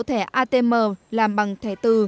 thẻ atm làm bằng thẻ từ